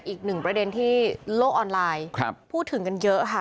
อีกหนึ่งประเด็นที่โลกออนไลน์พูดถึงกันเยอะค่ะ